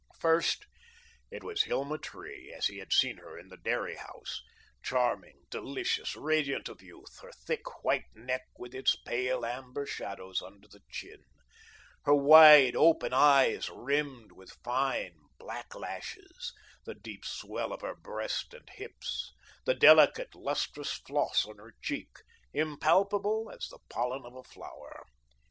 First, it was Hilma Tree, as he had seen her in the dairy house charming, delicious, radiant of youth, her thick, white neck with its pale amber shadows under the chin; her wide, open eyes rimmed with fine, black lashes; the deep swell of her breast and hips, the delicate, lustrous floss on her cheek, impalpable as the pollen of a flower.